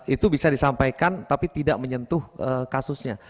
itu bisa disampaikan tapi tidak menyentuh kasusnya